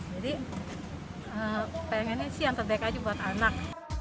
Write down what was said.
jadi pengennya sih yang terbaik aja buat anak